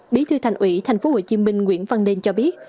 bí thư thành ủy tp hcm nguyễn văn nên cho biết